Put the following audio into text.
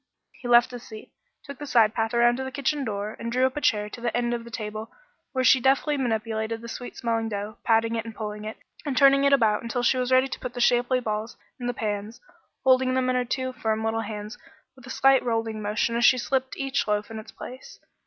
He left his seat, took the side path around to the kitchen door, and drew up a chair to the end of the table where she deftly manipulated the sweet smelling dough, patting it, and pulling it, and turning it about until she was ready to put the shapely balls in the pans, holding them in her two firm little hands with a slight rolling motion as she slipped each loaf in its place.